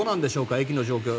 駅の状況は。